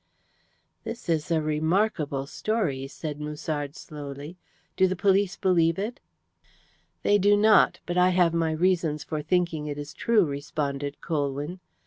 "This is a remarkable story," said Musard slowly. "Do the police believe it?" "They do not, but I have my reasons for thinking it true," responded Colwyn.